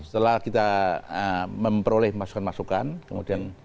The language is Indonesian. setelah kita memperoleh masukan masukan kemudian